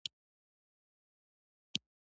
شېرګل د ورور د مړينې کيسه وکړه.